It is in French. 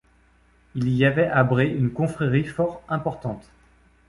Il y avait à Brée une confrérie fort importante.